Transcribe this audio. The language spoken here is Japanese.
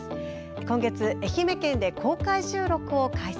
今月、愛媛県で公開収録を開催。